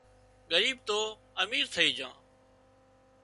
ڳريٻ تو امير ٿئي جھان